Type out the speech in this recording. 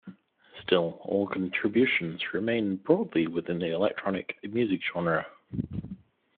Still, all contributions remain broadly within the electronic music genre.